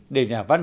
để nhà văn